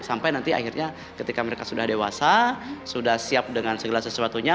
sampai nanti akhirnya ketika mereka sudah dewasa sudah siap dengan segala sesuatunya